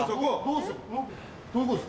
どうする？